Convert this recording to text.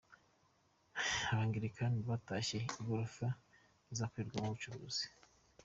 Abangirikani batashye igorofa izakorerwamo ubucuruzi